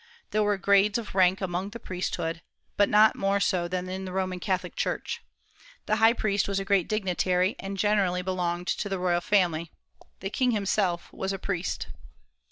There were grades of rank among the priesthood; but not more so than in the Roman Catholic Church. The high priest was a great dignitary, and generally belonged to the royal family. The king himself was a priest.